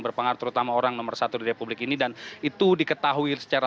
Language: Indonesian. berpengaruh terutama orang nomor satu di republik ini dan itu diketahui secara